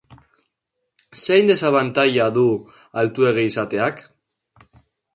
Zein desabantaila du altuegia izateak?